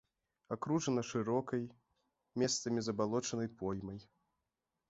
Акружана шырокай, месцамі забалочанай поймай.